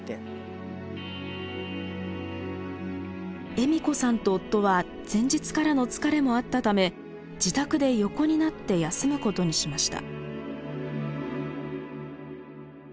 栄美子さんと夫は前日からの疲れもあったため自宅で横になって休むことにしました。